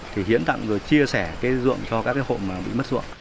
thì hiến tặng rồi chia sẻ ruộng cho các hộ bị mất ruộng